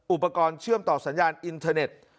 อุปกรณ์เชื่อมต่อสัญญาณอินเทอร์เน็ต